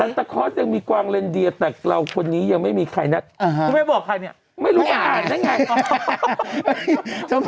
ฮ่อโท๊คยังมีกวางเรนเดียแต่เราคนนี้ยังไม่มีใครนัก